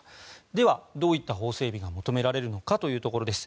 では、どういった法整備が求められるのかというところ。